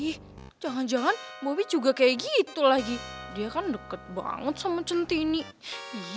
ih jangan jangan mubi juga kayak gitu lagi dia kan deket banget sama centini iya